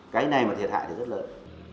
cái này mà thiệt hại thì rất lớn